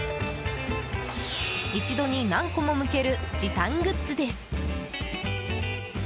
一度に何個も剥ける時短グッズです。